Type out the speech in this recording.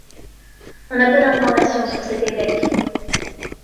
On a peu d'informations sur cet évêque.